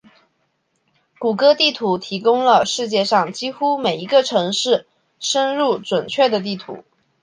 谷歌地图提供了世界上几乎每一个城市深入准确的地图。